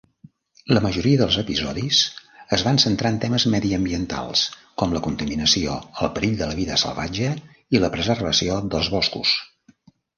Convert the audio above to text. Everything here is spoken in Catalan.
La majoria dels episodis es van centrar en temes mediambientals com la contaminació, el perill de la vida salvatge i la preservació dels boscos.